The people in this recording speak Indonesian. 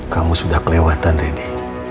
kamu sudah kelewatan randy